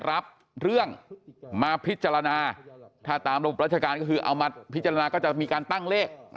รับเรื่องมาพิจารณาถ้าตามระบบราชการก็คือเอามาพิจารณาก็จะมีการตั้งเลข